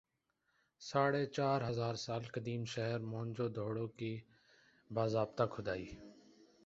ساڑھے چار ہزار سال قدیم شہر موئن جو دڑو کی باضابطہ کھُدائی